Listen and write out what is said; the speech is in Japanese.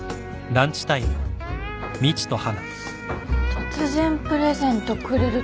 突然プレゼントくれるときか。